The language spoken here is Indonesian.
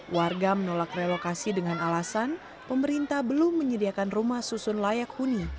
warga menolak relokasi dengan alasan pemerintah belum menyediakan rumah susun layak huni